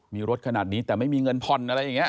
มีรถขนาดนี้แต่ไม่มีเงินผ่อนอะไรอย่างนี้